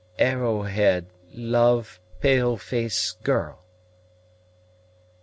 "Arrowhead love pale face girl."